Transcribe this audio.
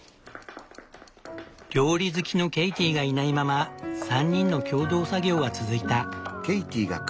料理好きのケイティがいないまま３人の共同作業は続いた。